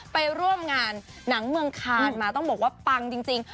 ไปร่วมงานหนังเมืองคานมาต้องบอกว่าปังจริง